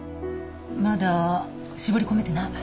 まだ絞り込めてない。